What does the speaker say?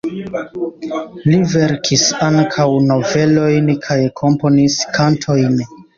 Li verkis ankaŭ novelojn kaj komponis kantojn.